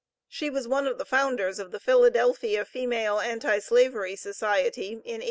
She was one of the founders of the Philadelphia Female Anti Slavery Society in 1834.